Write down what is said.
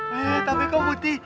eh tapi kau putih